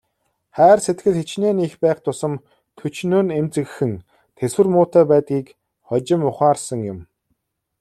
Хайр сэтгэл хэчнээн их байх тусам төчнөөн эмзэгхэн, тэсвэр муутай байдгийг хожим ухаарсан юм.